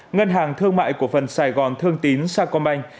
ngân hàng thương mại cổ phần sài gòn thương tín sacombank